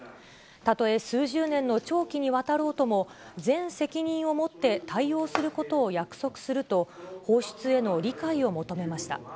たとえ数十年の長期にわたろうとも、全責任を持って対応することを約束すると、放出への理解を求めました。